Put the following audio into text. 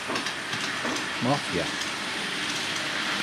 Mafya…